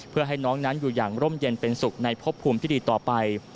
เพื่อให้น้องนั้นอยู่อย่างร่มเย็นเป็นสุขในพบภูมิที่ดีต่อไป